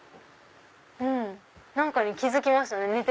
何かに気付きましたね。